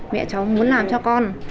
mẹ cháu muốn làm cho con